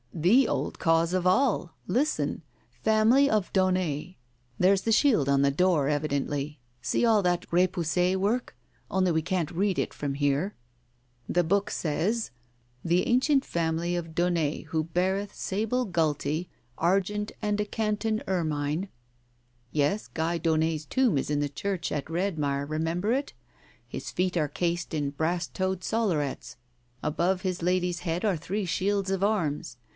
The old Cause of all! Listen! Family of Daunet. There's the shield on the door, evidently — see all that ripoussi work? — only we can't read it from here." Digitized by Google THE BLUE BONNET 159 "The book says :' The ancient family of Daunet, who beareth sable gultie, argent and a canton ermine. ...' Yes, Guy Daunet's tomb is in the church at Redmire — remember it? — His feet are cased in brass toed sollerets. Above his lady's head are three shields of arms.